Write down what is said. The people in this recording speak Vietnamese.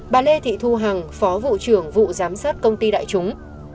bà lê thị thu hằng phó vụ trưởng vụ giám sát công ty đại chúng